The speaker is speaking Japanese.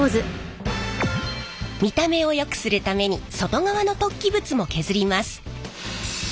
見た目をよくするために外側の突起物も削ります。